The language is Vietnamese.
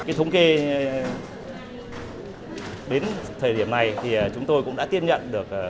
cái thống kê đến thời điểm này thì chúng tôi cũng đã tiếp nhận được